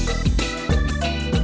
terima kasih bang